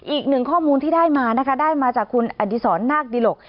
อีกหนึ่งข้อมูลที่ได้มานะคะได้มาจากคุณอดีศรนาคดิหลก